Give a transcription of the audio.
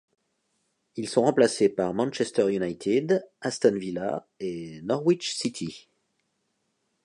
Ils sont remplacés par Manchester United, Aston Villa et Norwich City.